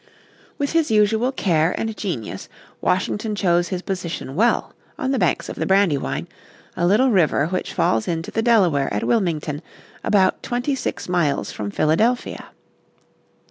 With his usual care and genius Washington chose his position well, on the banks of the Brandywine, a little river which falls into the Delaware at Wilmington about twenty six miles from Philadelphia.